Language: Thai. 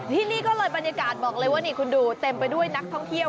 ที่นี่ก็เลยบรรยากาศบอกเลยว่านี่คุณดูเต็มไปด้วยนักท่องเที่ยว